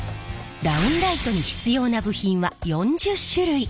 ダウンライトに必要な部品は４０種類。